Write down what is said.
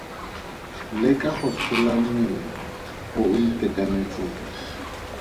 Leka go tshola mmele o o itekanetseng.